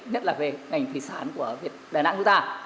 nhất là về ngành thủy sản của đà nẵng chúng ta